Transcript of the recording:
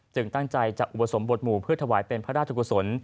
ตั้งใจจะอุปสมบทหมู่เพื่อถวายเป็นพระราชกุศล